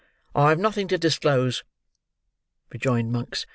"I have nothing to disclose," rejoined Monks.